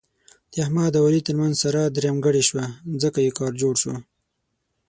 د احمد او علي ترمنځ ساره درېیمګړې شوه، ځکه یې کار جوړ شو.